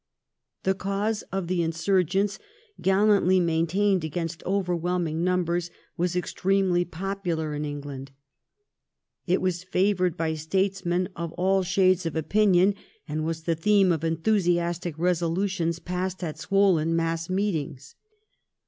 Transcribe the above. The cause of the insur gents, gallantly maintained against overwhelming num bers, was extremely popular in England ; it was favoured by statesmen of all shades of opinion, and was the theme of enthusiastic resolutions passed at swollen mass meetings.